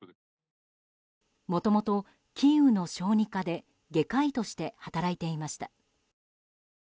もともと、キーウの小児科で外科医として働いていました。